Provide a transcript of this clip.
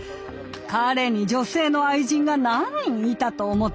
彼に女性の愛人が何人いたと思っているの。